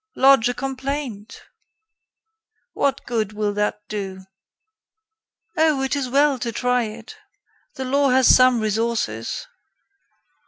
"Lodge a complaint." "What good will that do?" "Oh; it is well to try it. The law has some resources."